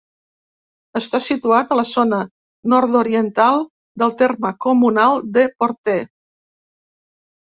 Està situat a la zona nord-oriental del terme comunal de Portè.